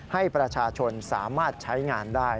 ให้ประชาชนสามารถใช้งานได้